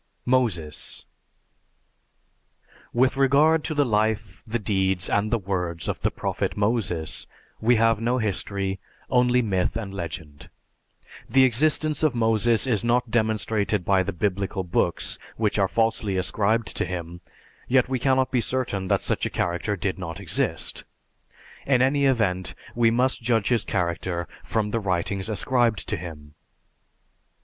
MOSES With regard to the life, the deeds, and the words of the Prophet Moses we have no history; only myth and legend. The existence of Moses is not demonstrated by the Biblical books which are falsely ascribed to him, yet we cannot be certain that such a character did not exist. In any event, we must judge his character from the writings ascribed to him.